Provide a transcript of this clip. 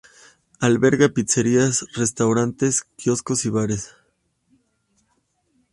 Alberga pizzerías, restaurantes, quioscos y bares.